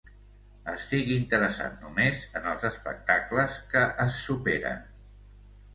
Estic interessat només en els espectacles que es superen.